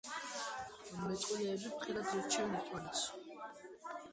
მეწყვილეები ფრთხილად ირჩევენ ერთმანეთს.